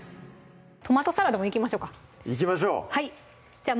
「トマトサラダ」もいきましょうかいきましょうじゃあ